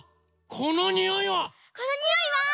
このにおいは？